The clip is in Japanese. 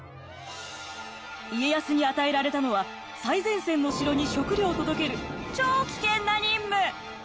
家康に与えられたのは最前線の城に食糧を届ける超危険な任務！